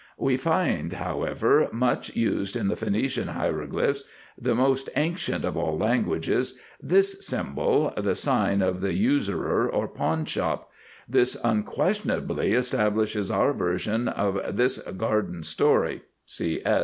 We find, however, much used in the Phœnician hieroglyphics, the most ancient of all languages, this symbol, the sign of the usurer or pawn shop. This unquestionably establishes our version of this garden story.